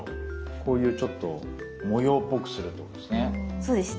こういうちょっと模様っぽくするってことですね。